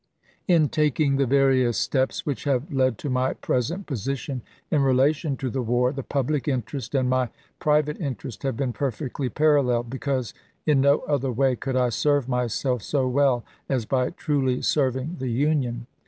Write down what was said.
In taking the various steps which have led to my pres ent position in relation to the war, the public interest and my private interest have been perfectly parallel, because in no other way could I serve myself so well as by truly serving the Union.